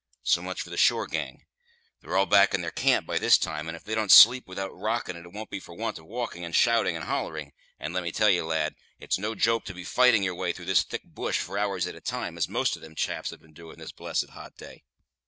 So much for the shore gang. They're all back in their camp by this time, and if they don't sleep without rocking it won't be for want of walking, and shouting, and hollering; and let me tell ye, lad, it's no joke to be fighting your way through thick bush for hours at a time, as most of them chaps have been doing this blessed hot day.